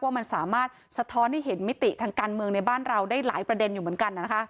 ว่ามันสามารถสะท้อนให้เห็นมิติทางการเมืองในบ้านเราได้หลายประเด็นอยู่เหมือนกัน